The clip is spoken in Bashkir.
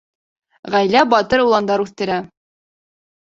Ғаилә батыр уландар үҫтерә.